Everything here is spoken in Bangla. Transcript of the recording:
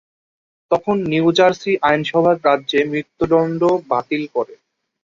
তখন নিউ জার্সি আইনসভা রাজ্যে মৃত্যুদণ্ড বাতিল করে।